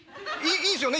いいいんすよね？